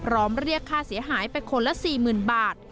ร้อมเรียกค่าเสียหายไปคนละสี่หมื่นบาท